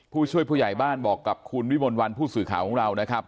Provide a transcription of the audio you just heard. ผู้ช่วยผู้ใหญ่บ้านบอกกับคุณวิมลวันผู้สื่อข่าวของเรานะครับ